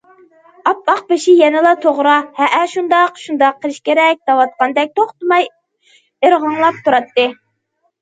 ئاپئاق بېشى يەنىلا« توغرا، ھەئە، شۇنداق، شۇنداق قىلىش كېرەك» دەۋاتقاندەك توختىماي ئىرغاڭلاپ تۇراتتى.